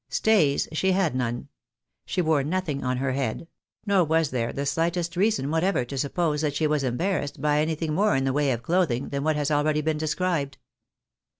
Stays she had none ; she ■wore nothing on her head ; nor was there the slightest reason what ever to suppose that she was embarrassed by anything more in the Tvay of clothing than what has already been described.